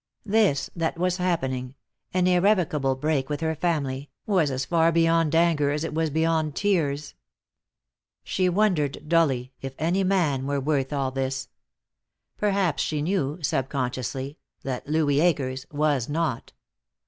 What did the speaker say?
This that was happening, an irrevocable break with her family, was as far beyond anger as it was beyond tears. She wondered dully if any man were worth all this. Perhaps she knew, sub consciously, that Louis Akers was not.